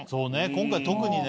今回特にね。